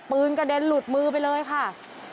กระเด็นหลุดมือไปเลยค่ะ